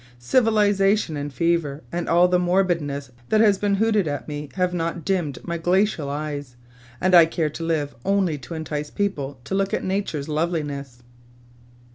... Civilization and fever, and all the morbidness that has been hooted at me, have not dimmed my glacial eyes, and I care to live only to entice people to look at Nature's loveliness."